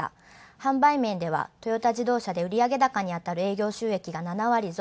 販売面ではトヨタ自動車で売上高にあたる収益が営業収益が７割増。